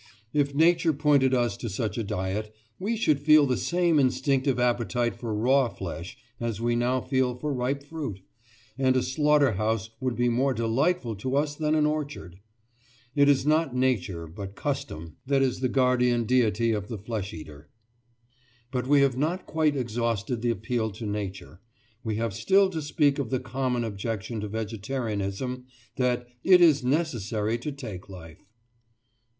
If Nature pointed us to such a diet, we should feel the same instinctive appetite for raw flesh as we now feel for ripe fruit, and a slaughter house would be more delightful to us than an orchard. It is not Nature, but custom, that is the guardian deity of the flesh eater. But we have not quite exhausted the appeal to Nature; we have still to speak of the common objection to vegetarianism that "it is necessary to take life."